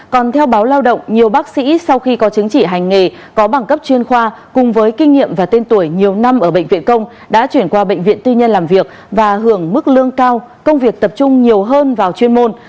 còn theo báo lao động nhiều bác sĩ sau khi có chứng chỉ hành nghề có bằng cấp chuyên khoa cùng với kinh nghiệm và tên tuổi nhiều năm ở bệnh viện công đã chuyển qua bệnh viện tư nhân làm việc và hưởng mức lương cao công việc tập trung nhiều hơn vào chuyên môn